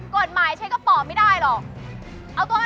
กฎหมายใช้ก็ปอบไม่ได้หรอกเอาตัวไป